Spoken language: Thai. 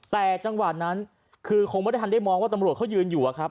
แต่จังหวะนั้นคือคงไม่ได้ทันได้มองว่าตำรวจเขายืนอยู่อะครับ